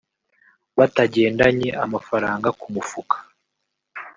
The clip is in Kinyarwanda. batagendanye amafaranga ku mufuka